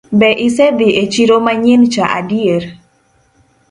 Be isedhii e chiro manyien cha adier?